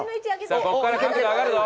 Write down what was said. さあこっから角度上がるぞ。